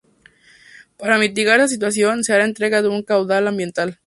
Para mitigar esta situación se hará entrega de un caudal ambiental.